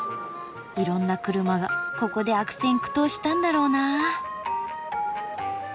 いろんな車がここで悪戦苦闘したんだろうなあ。